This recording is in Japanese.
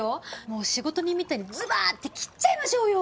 もう仕事人みたいにズバーッて斬っちゃいましょうよ。